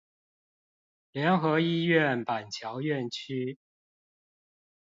聯合醫院板橋院區